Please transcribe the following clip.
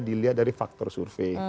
tapi juga di wilayah dari faktor survei